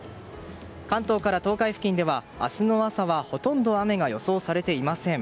関東から東海付近では明日の朝はほとんど雨が予想されていません。